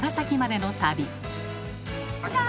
きた！